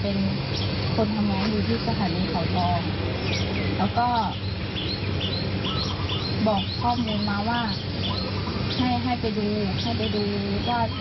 เพิ่งแฟนเป็นคนทำงานอยู่ที่สถานีข่าวทอง